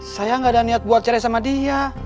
saya gak ada niat buat cewek sama dia